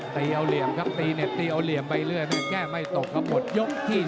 ตีเอาเหลี่ยมครับตีเหน็บตีเอาเหลี่ยมไปเรื่อยแก้ไม่ตกครับหมดยกที่๑